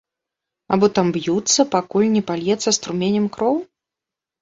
Або там б'юцца, пакуль не пальецца струменем кроў?